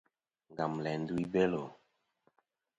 Ngam læ ndu i Belo.